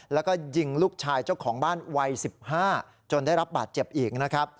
แล้วก็ยิงลูกชายเจ้าของบ้านวัย๑๕จนได้รับบาดเจ็บอีกนะครับ